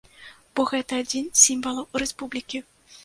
Бо гэта адзін з сімвалаў рэспублікі.